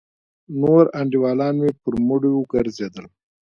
نور انډيوالان مې پر مړيو گرځېدل.